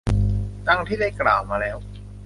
ดังที่ได้กล่าวมาแล้ว